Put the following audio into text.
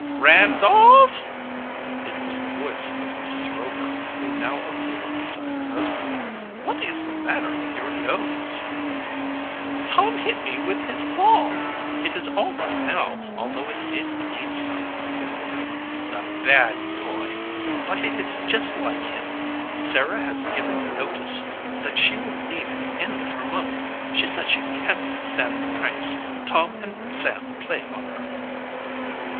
"Randolph!" It was the voice of Mrs. Rover, who now appeared beside her husband. "What is the matter with your nose?" "Tom hit me with his ball. It is all right now, although it did bleed some." "The bad boy! But it is just like him. Sarah has given notice that she will leave at the end of her month. She says she can't stand the pranks Tom and Sam play on her."